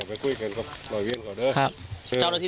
อย่าไปคุยเข้นกับปล่อยเวียนขอด้วยครับเจ้ารถที่